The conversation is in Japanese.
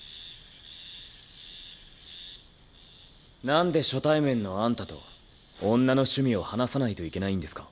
なんで初対面のあんたと女の趣味を話さないといけないんですか？